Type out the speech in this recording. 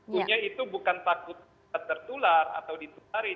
punya itu bukan takut tertular atau ditularin